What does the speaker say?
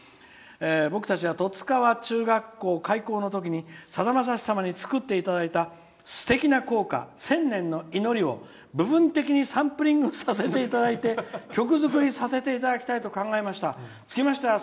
「僕たちは十津川中学校開校のときに作っていただいたすてきな校歌「千年の祈り」を部分的にサンプリングさせていただいて曲作りさせていただきたいと考えました。